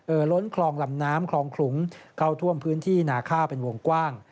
ล้นคลองลำน้ำคลองขลุงเข้าท่วมพื้นที่นาข้าวเป็นวงกว้าง